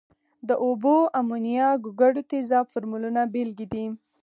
د اوبو، امونیا، ګوګړو تیزاب فورمولونه بیلګې دي.